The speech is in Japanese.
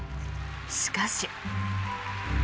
しかし。